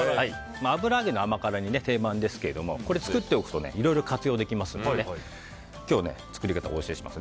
油揚げの甘辛煮定番ですけれども作っておくといろいろ活用できますので今日作り方をお教えします。